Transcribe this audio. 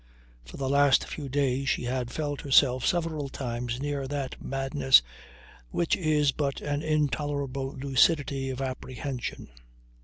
For the last few days she had felt herself several times near that madness which is but an intolerable lucidity of apprehension.